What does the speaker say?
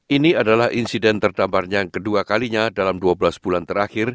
ini adalah insiden terdamparnya yang kedua kalinya dalam dua belas bulan terakhir